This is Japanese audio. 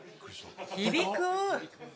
響く。